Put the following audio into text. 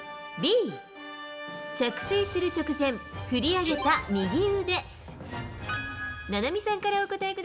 Ｂ、着水する直前、振り上げた右腕。